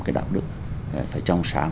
cái đạo đức phải trong sáng